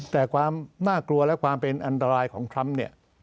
แต่ความน่ากลัวและความเป็นอันตรายของทรัมป์เนี่ย